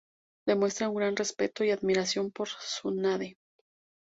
Demuestra un gran respeto y admiración por Tsunade.